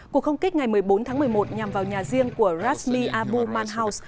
cuộc không kích ngày một mươi bốn tháng một mươi một nhằm vào nhà riêng của razmi abu manhaus